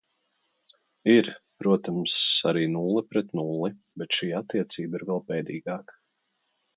Ir, protams, arī nulle pret nulli, bet šī attiecība ir vēl bēdīgāka.